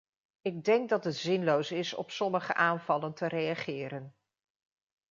Ik denk dat het zinloos is op sommige aanvallen te reageren.